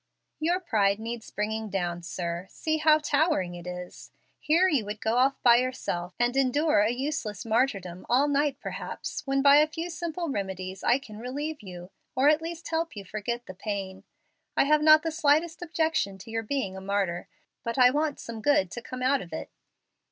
"Your pride needs bringing down, sir; see how towering it is. Here you would go off by yourself, and endure a useless martyrdom all night perhaps, when by a few simple remedies I can relieve you, or at least help you forget the pain. I have not the slightest objection to your being a martyr, but I want some good to come out of it."